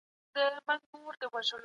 د معلوماتي تخنیک رول مهم دی.